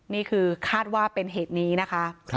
นี่คือคาดว่าเป็นเหตุนี้นะคะ